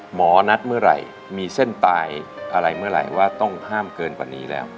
หมอนัดเมื่อไหร่มีเส้นตายอะไรเมื่อไหร่ว่าต้องห้ามเกินกว่านี้แล้ว